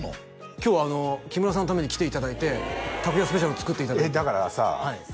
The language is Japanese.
今日木村さんのために来ていただいて拓哉スペシャルを作っていただいてえっだからさ